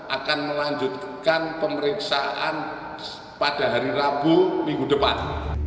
akan melanjutkan pemeriksaan pada hari rabu minggu depan